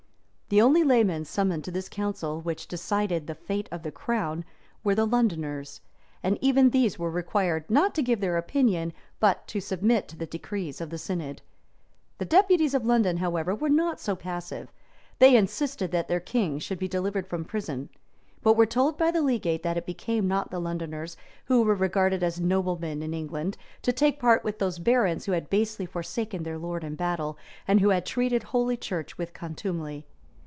[*] The only laymen summoned to this council, which decided the fate of the crown, were the Londoners; and even these were required not to give their opinion, but to submit to the decrees of the synod. The deputies of London, however, were not so passive; they insisted that their king should be delivered from prison; but were told by the legate, that it became not the Londoners, who were regarded as noblemen in England, to take part with those barons who had basely forsaken their lord in battle, and who had treated holy church with contumely.